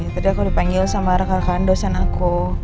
tadi aku dipanggil sama rekan rekan dosen aku